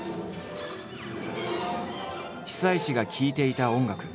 久石が聴いていた音楽